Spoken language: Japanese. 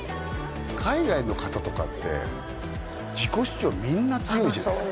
海外の方とかって自己主張みんな強いじゃないですか